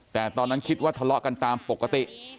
แต่ตอนนั้นคิดว่าทะเลาะกันตามปกติ